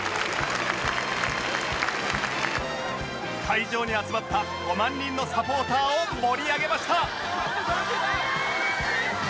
会場に集まった５万人のサポーターを盛り上げました！